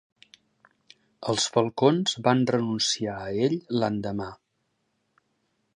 Els Falcons van renunciar a ell l'endemà.